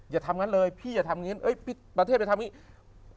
อย่าทำงั้นเลยพี่อย่าทำอย่างนั้นประเทศไปทำอย่างนี้